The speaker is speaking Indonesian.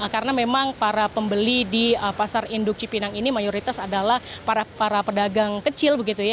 karena memang para pembeli di pasar induk cipinang ini mayoritas adalah para pedagang kecil begitu ya